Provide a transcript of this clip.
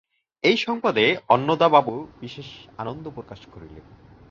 এই সংবাদে অন্নদাবাবু বিশেষ আনন্দপ্রকাশ করিলেন।